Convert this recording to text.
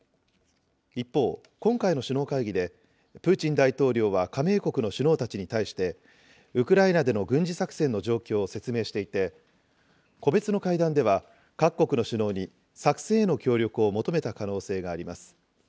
一方、今回の首脳会議でプーチン大統領は加盟国の首脳たちに対して、ウクライナでの軍事作戦の状況を説明していて、個別の会談では、各国の首脳に作戦への協力を求めた可能性があります。